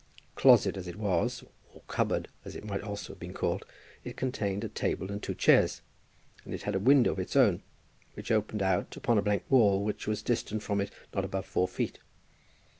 Closet as it was, or cupboard as it might almost have been called, it contained a table and two chairs; and it had a window of its own, which opened out upon a blank wall which was distant from it not above four feet.